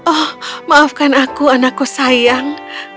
oh maafkan aku anakku sayang